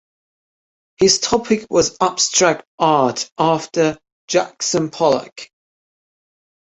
His topic was abstract art after Jackson Pollock.